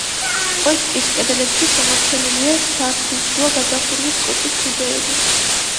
კოშკის კედლებზე შემორჩენილია სართულშუა გადახურვის კოჭის ბუდეები.